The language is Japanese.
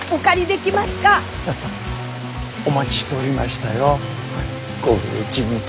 お待ちしておりましたよご婦人。